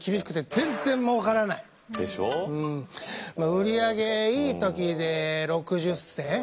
売り上げいい時で６０銭。